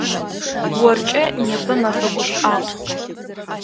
Оркӏэ непэ мэфэ гушӏуагъу.